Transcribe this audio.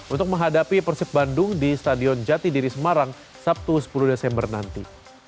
untuk menghadapi persib bandung di stadion jatidiri semarang sabtu sepuluh desember nanti